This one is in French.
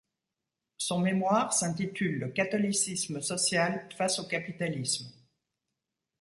Son mémoire s’intitule Le catholicisme social face au capitalisme.